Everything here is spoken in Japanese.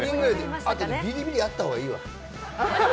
あと、ビリビリあった方がいいわ。